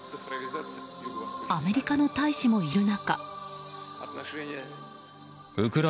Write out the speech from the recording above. アメリカの大使もいる中。